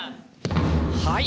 はい。